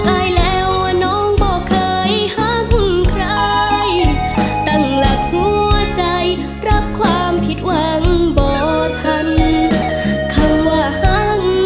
ไอ้แสงเจ้าหว่าน้ำเจ็บใจ